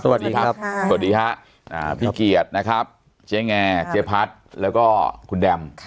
สวัสดีครับสวัสดีฮะพี่เกียรตินะครับเจ๊แงเจ๊พัดแล้วก็คุณแดม